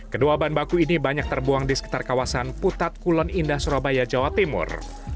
kedua bahan baku ini banyak terbuang di sekitar kawasan putat kulon indah surabaya jawa timur